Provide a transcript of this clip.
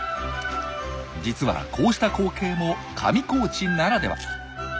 実はこうした光景も上高地ならでは。